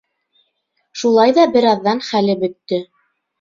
Шулай ҙа бер аҙҙан хәле бөттө.